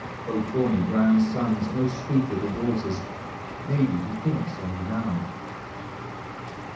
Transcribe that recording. O bonny brown sons, and O sweet little daughters. Maybe he thinks on you now